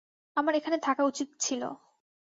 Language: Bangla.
আমার এখানে থাকা উচিত ছিল।